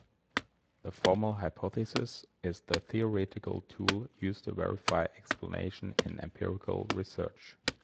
The formal hypothesis is the theoretical tool used to verify explanation in empirical research.